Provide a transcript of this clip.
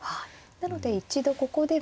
なので一度ここでは。